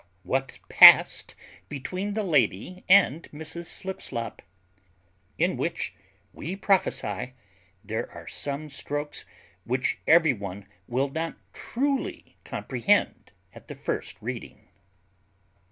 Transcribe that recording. _What passed between the lady and Mrs Slipslop; in which we prophesy there are some strokes which every one will not truly comprehend at the first reading.